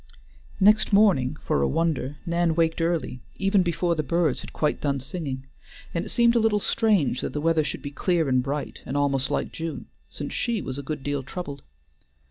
Next morning, for a wonder, Nan waked early, even before the birds had quite done singing, and it seemed a little strange that the weather should be clear and bright, and almost like June, since she was a good deal troubled.